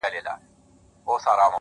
خــو ســــمـدم ـ